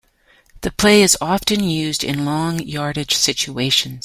The play is often used in long yardage situations.